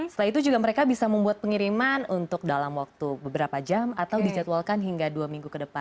setelah itu juga mereka bisa membuat pengiriman untuk dalam waktu beberapa jam atau dijadwalkan hingga dua minggu ke depan